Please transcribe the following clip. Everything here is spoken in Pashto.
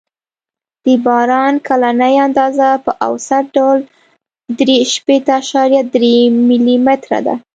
د باران کلنۍ اندازه په اوسط ډول درې شپېته اعشاریه درې ملي متره ده